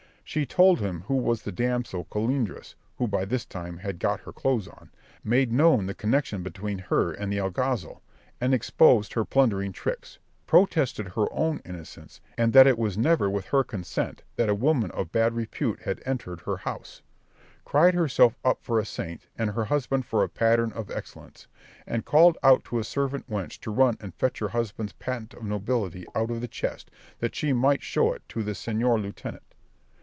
She told him who was the damsel Colindres (who by this time had got her clothes on), made known the connection between her and the alguazil, and exposed her plundering tricks; protested her own innocence, and that it was never with her consent that a woman of bad repute had entered her house; cried herself up for a saint, and her husband for a pattern of excellence; and called out to a servant wench to run and fetch her husband's patent of nobility out of the chest, that she might show it to the Señor Lieutenant.